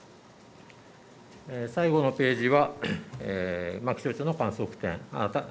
最後のページは気象庁の観測点。